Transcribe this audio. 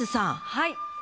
はい。